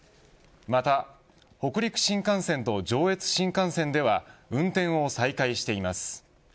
また北陸新幹線と上越新幹線では運転を再開しています。